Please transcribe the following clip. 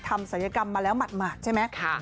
ศัลยกรรมมาแล้วหมาดใช่ไหม